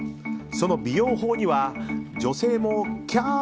その美容法には女性もキャー！